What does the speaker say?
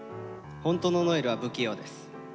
ホントの如恵留は不器用です。